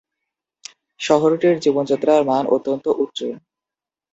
শহরটির জীবনযাত্রার মান অত্যন্ত উচ্চ।